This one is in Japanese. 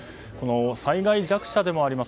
災害弱者でもあります